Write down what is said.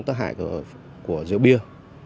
tác hại của rượu bia